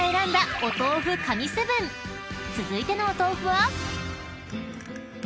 ［続いてのお豆腐は？］